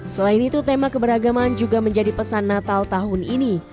selain itu tema keberagaman juga menjadi pesan natal tahun ini